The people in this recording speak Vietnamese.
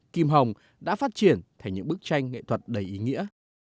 kim hồng đã phát triển thành những bức tranh nghệ thuật đầy ý nghĩa